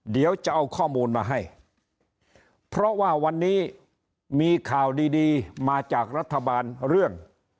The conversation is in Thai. เดี๋ยวจะเอาข้อมูลมาให้เพราะว่าวันนี้มีข่าวดีดีมาจากรัฐบาลเรื่อง